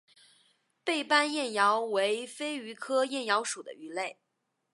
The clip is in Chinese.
背斑燕鳐为飞鱼科燕鳐属的鱼类。